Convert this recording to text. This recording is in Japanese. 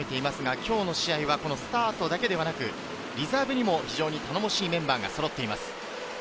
今日の試合はスタートだけではなく、リザーブにも非常に頼もしいメンバーが揃っています。